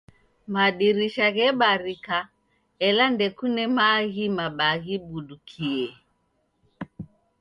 Madirisha ghebarika, ela ndekune maaghi mabaa ghibudukie